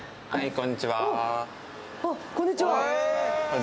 こんにちはああ